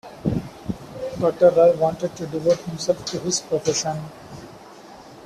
Doctor Roy wanted to devote himself to his profession.